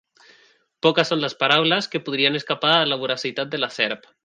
Poques són les paraules que podrien escapar a la voracitat de la serp.